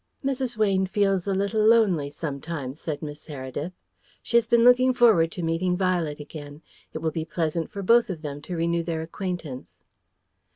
"Mrs. Weyne feels a little lonely sometimes," said Miss Heredith. "She has been looking forward to meeting Violet again. It will be pleasant for both of them to renew their acquaintance."